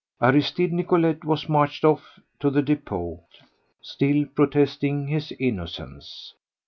Aristide Nicolet was marched off to the depot—still protesting his innocence.